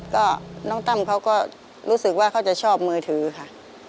ก็น้องตั้มเขาก็รู้สึกว่าเขาจะชอบมือถือค่ะ